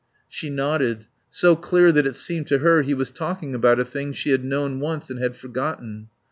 She nodded. So clear that it seemed to her he was talking about a thing she had known once and had forgotten.